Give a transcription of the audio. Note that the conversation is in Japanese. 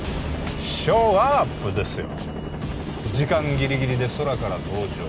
ショーアップ！ですよ時間ギリギリで空から登場